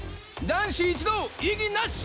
男子一同異議なし！